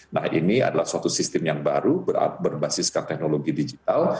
nah ini adalah suatu sistem yang baru berbasiskan teknologi digital